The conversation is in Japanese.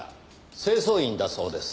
清掃員だそうです。